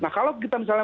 kalau kita misalnya